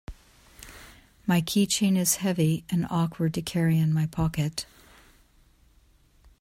My keychain is heavy and awkward to carry in my pocket.